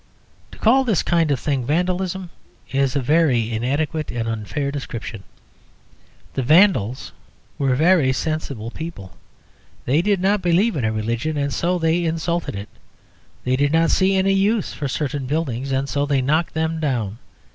To call this kind of thing Vandalism is a very inadequate and unfair description. The Vandals were very sensible people. They did not believe in a religion, and so they insulted it; they did not see any use for certain buildings, and so they knocked them down.